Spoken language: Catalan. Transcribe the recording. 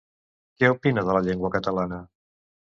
Què opina de la llengua catalana?